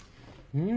うん。